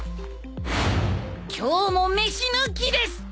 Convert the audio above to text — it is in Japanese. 今日も飯抜きです！